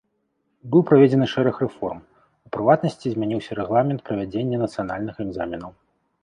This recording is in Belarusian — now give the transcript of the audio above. Быў праведзены шэраг рэформ, у прыватнасці змяніўся рэгламент правядзення нацыянальных экзаменаў.